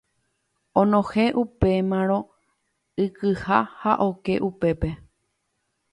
Onohẽ upémarõ ikyha ha oke upépe.